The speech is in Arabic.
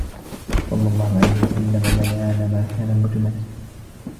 صَلَّى اللَّهُ عَلَيْهِ وَسَلَّمَ بَيَانَ مَا كَانَ مُجْمَلًا